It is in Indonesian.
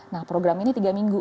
nah program ini tiga minggu